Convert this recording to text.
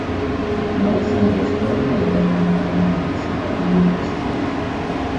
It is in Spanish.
Mike Santos fue un alero formando en la Universidad de Utah State.